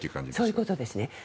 そういうことですね。